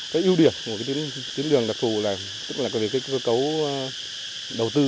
cái ưu điểm của cái tuyến đường đặc thù là cũng là cái cơ cấu đầu tư